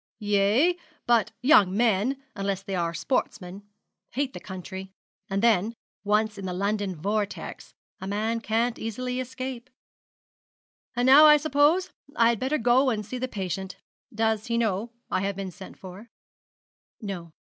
'Yes; but young men, unless they are sportsmen, hate the country; and then, once in the London vortex, a man can't easily escape. And now, I suppose, I had better go and see the patient. Does he know I have been sent for?' 'No.'